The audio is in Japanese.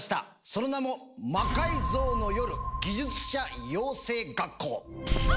その名も「魔改造の夜技術者養成学校」！